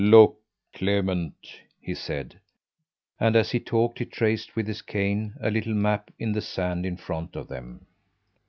"Look, Clement!" he said, and as he talked he traced with his cane a little map in the sand in front of them.